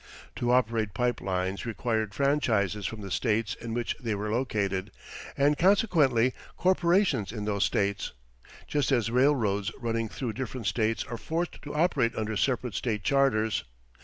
To operate pipe lines required franchises from the states in which they were located and consequently corporations in those states just as railroads running through different states are forced to operate under separate state charters.